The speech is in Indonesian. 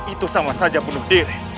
itu sama saja bunuh diri